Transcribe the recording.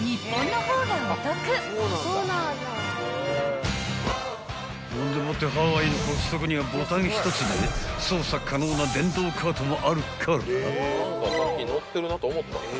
［ほんでもってハワイのコストコにはボタン１つで操作可能な電動カートもあるから］